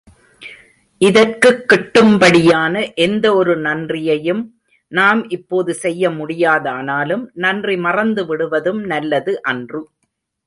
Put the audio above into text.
இதற்குக் கிட்டும்படியான எந்த ஒரு நன்றியையும் நாம் இப்போது செய்ய முடியாதானாலும் நன்றி மறந்து விடுவதும் நல்லது அன்று.